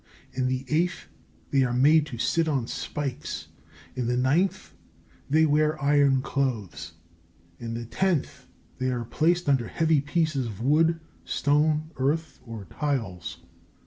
In the eighth, they are made to sit on spikes. In the ninth, they wear iron clothes. In the tenth, they are placed under heavy pieces of wood, stone, earth, or tiles.